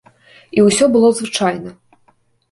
І ўсё было звычайна.